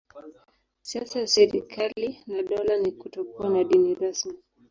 Siasa ya serikali na dola ni kutokuwa na dini rasmi.